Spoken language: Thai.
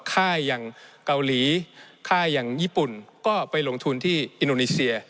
ค่ายอย่างเกาหลีค่ายอย่างญี่ปุ่นก็ไปลงทุนที่อินโดนีเซีย